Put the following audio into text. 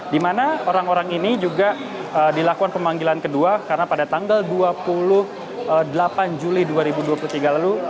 di mana orang orang ini juga dilakukan pemanggilan kedua karena pada tanggal dua puluh delapan juli dua ribu dua puluh tiga lalu